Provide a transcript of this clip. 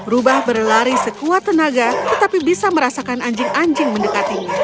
rubah berlari sekuat tenaga tetapi bisa merasakan anjing anjing mendekatinya